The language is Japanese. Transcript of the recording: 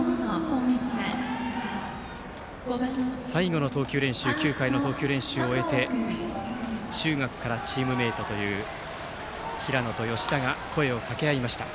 最後の投球練習９回の投球練習を終えて中学からチームメートという平野と吉田が声をかけ合いました。